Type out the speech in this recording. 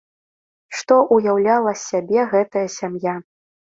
Што ўяўляла з сябе гэтая сям'я?